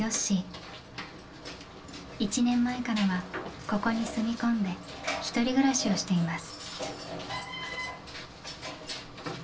１年前からはここに住み込んで１人暮らしをしています。